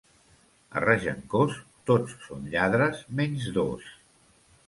A Regencós, tots són lladres menys dos.